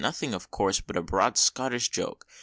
Nothing of course, but a broad Scottish joke!"